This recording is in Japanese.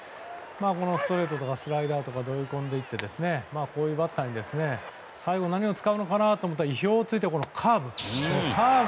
このストレートとかスライダーで追い込んでいってこういうバッターに最後何を使うのかと思ったら意表を突いてカーブ。